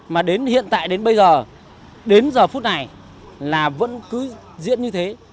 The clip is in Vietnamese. mà đến hiện tại đến bây giờ đến giờ phút này là vẫn cứ diễn như thế